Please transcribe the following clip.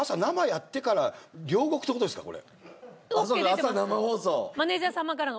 朝生放送。